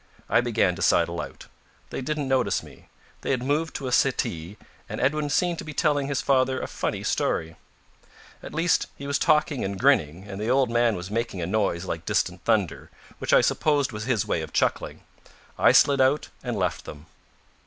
I began to sidle out. They didn't notice me. They had moved to a settee, and Edwin seemed to be telling his father a funny story. At least, he was talking and grinning, and the old man was making a noise like distant thunder, which I supposed was his way of chuckling. I slid out and left them.